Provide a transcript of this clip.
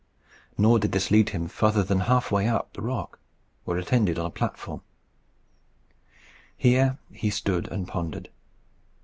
Nor did this lead him farther than half way up the rock, where it ended on a platform. Here he stood and pondered.